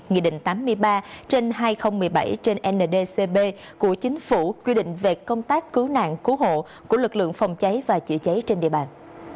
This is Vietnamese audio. nghị định tám mươi ba trên hai nghìn một mươi bảy trên ndcb của chính phủ quy định về công tác cứu nạn cứu hộ của lực lượng phòng cháy và chữa cháy trên địa bàn